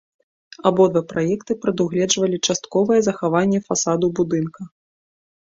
Абодва праекты прадугледжвалі частковае захаванне фасаду будынка.